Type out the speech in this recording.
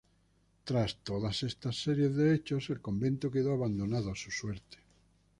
Tras todas estas series de hechos, el convento quedó abandonado a su suerte.